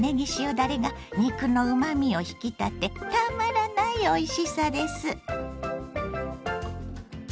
だれが肉のうまみを引き立てたまらないおいしさです。